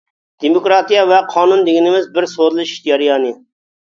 دېموكراتىيە ۋە قانۇن دېگىنىمىز بىر سودىلىشىش جەريانى.